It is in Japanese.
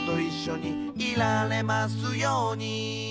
「いられますように」